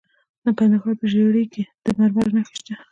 د کندهار په ژیړۍ کې د مرمرو نښې شته.